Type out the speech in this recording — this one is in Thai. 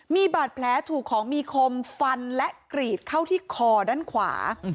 มีบาดแผลถูกของมีคมฟันและกรีดเข้าที่คอด้านขวา